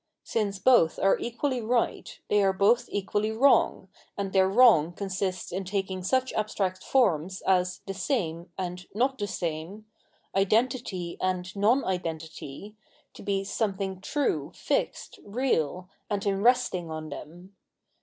Since both are equally right, they are both equally wrong, and their wrong consists in taking such abstract forms as " the same " 790 Phenomenology of Mind and " not the same," " identity " and " non identity," to be something true, fixed, real, and in resting on them.